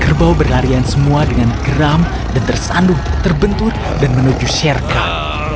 kerbau berlarian semua dengan geram dan tersandung terbentur dan menuju sherca